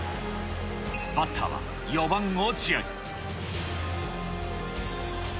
バッターは４番落合。